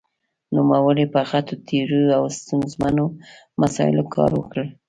نومړې په غټو تیوریو او ستونزمنو مسايلو کار وکړ.